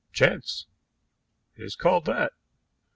Chance! It is called that.